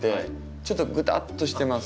ちょっとぐたっとしてます。